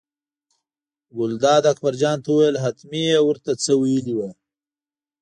ګلداد اکبرجان ته وویل حتمي یې ور ته څه ویلي وو.